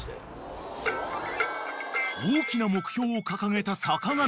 ［大きな目標を掲げた坂上］